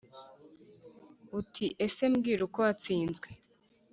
Uti: ese mbwira uko bwatsinzwe ?